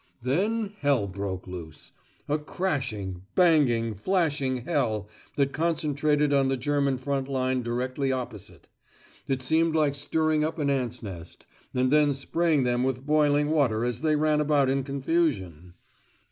Then hell broke loose, a crashing, banging, flashing hell that concentrated on the German front line directly opposite. It seemed like stirring up an ant's nest, and then spraying them with boiling water as they ran about in confusion!